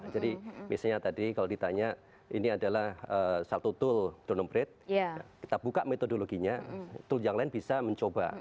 jadi misalnya tadi kalau ditanya ini adalah satu tool droneprit kita buka metodologinya tool yang lain bisa mencoba